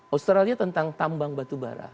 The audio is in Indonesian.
australia tentang tambang batu bara